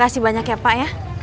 makasih banyak ya pak ya